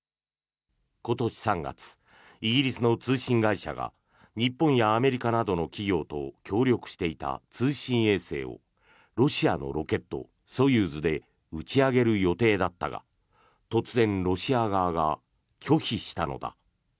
今年３月イギリスの通信会社が日本やアメリカなどの企業と協力していた通信衛星をロシアのロケット、ソユーズで打ち上げる予定だったが突然、ロシア側が拒否したのだ。